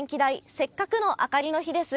せっかくのあかりの日です。